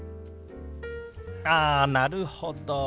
あなるほど。